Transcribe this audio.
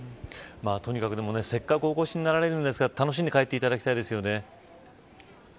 とにかく、せっかくお越しになられるんですから楽しんで帰っていただきたいですよね。